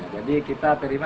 jadi kita terima